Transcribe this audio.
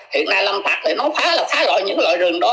hiện nay lâm thạc thì nó phá là phá loại những loại rừng đó